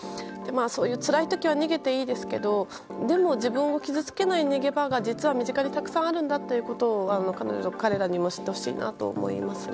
そういうつらい時は逃げていいんですけどでも、自分を傷つけない逃げ場が実は身近にたくさんあるんだということを彼女・彼らにも知ってほしいなと思います。